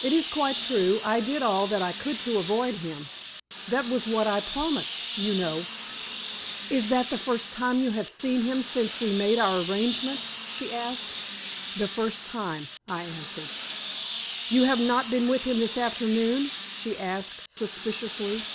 "It is quite true. I did all that I could to avoid him. That was what I promised, you know." "Is that the first time you have seen him since we made our arrangement?" she asked. "The first time," I answered. "You have not been with him this afternoon?" she asked, suspiciously.